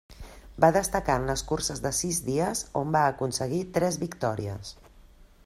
Va destacar en les curses de sis dies on va aconseguir tres victòries.